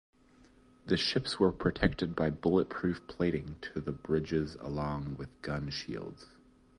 The ships were protected by bulletproof plating to the bridges along with gun shields.